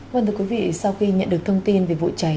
vâng thưa quý vị sau khi nhận được thông tin về vụ cháy